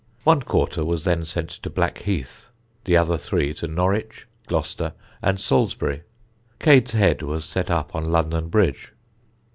One quarter was then sent to Blackheath; the other three to Norwich, Gloucester and Salisbury. Cade's head was set up on London Bridge.